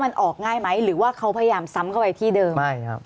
มันออกง่ายไหมหรือว่าเขาพยายามซ้ำเข้าไปที่เดิมใช่ครับ